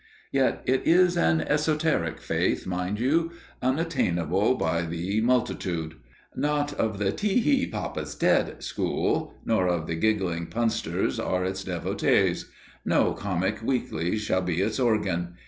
Yet it is an esoteric faith, mind you, unattainable by the multitude. Not of the "Te he! Papa's dead!" school, nor of the giggling punster's are its devotees. No comic weekly shall be its organ.